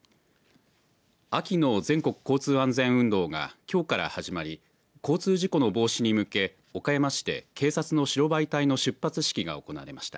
秋の全国交通安全運動がきょうから始まり交通事故の防止に向け岡山市で警察の白バイ隊の出発式が行われました。